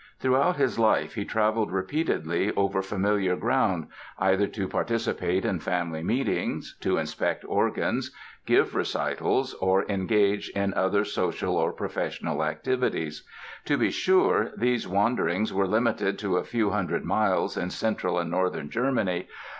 Throughout his life he traveled repeatedly over familiar ground, either to participate in family meetings, to inspect organs, give recitals or engage in other social or professional activities. To be sure these wanderings were limited to a few hundred miles in Central and Northern Germany.